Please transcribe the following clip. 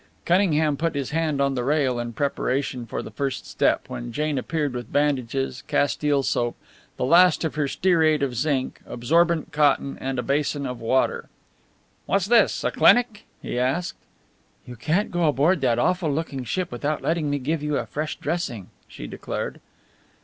Cunningham put his hand on the rail in preparation for the first step, when Jane appeared with bandages, castile soap, the last of her stearate of zinc, absorbent cotton and a basin of water. "What's this a clinic?" he asked. "You can't go aboard that awful looking ship without letting me give you a fresh dressing," she declared.